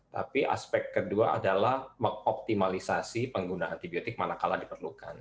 tapi aspek kedua adalah mengoptimalisasi pengguna antibiotik manakala diperlukan